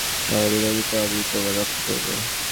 ভাবতে পারোনি অতীতেও আমি তোমার রক্ষা করবো?